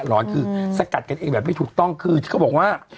ร้อนคือสกัดกันเองแบบไม่ถูกต้องคือที่เขาบอกว่า